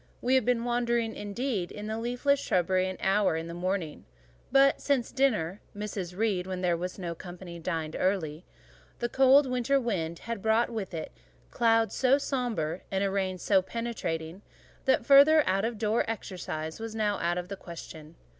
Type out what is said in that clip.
We had been wandering, indeed, in the leafless shrubbery an hour in the morning; but since dinner (Mrs. Reed, when there was no company, dined early) the cold winter wind had brought with it clouds so sombre, and a rain so penetrating, that further outdoor exercise was now out of the question.